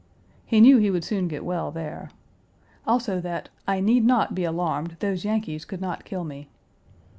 He knew he would soon get well there. Also that "I need not be alarmed; those Yankees could not kill me."